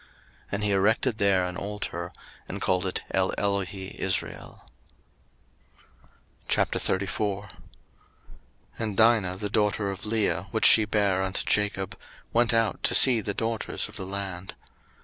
01:033:020 And he erected there an altar, and called it EleloheIsrael. 01:034:001 And Dinah the daughter of Leah, which she bare unto Jacob, went out to see the daughters of the land.